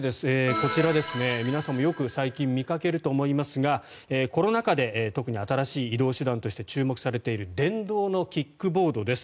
こちら、皆さんもよく最近見かけると思いますがコロナ禍で特に新しい移動手段として注目されている電動のキックボードです。